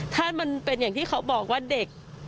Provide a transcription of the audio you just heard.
ถ้ามันเป็นอย่างที่เขาบอกว่าเด็ก